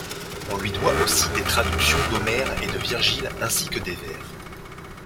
On lui doit aussi des traductions d'Homère et de Virgile ainsi que des vers.